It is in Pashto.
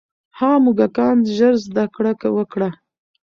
هغه موږکان ژر زده کړه وکړه.